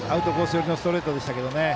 寄りのストレートでしたけどね。